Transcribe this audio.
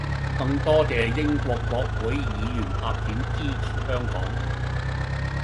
更多謝英國國會議員拍片支持香港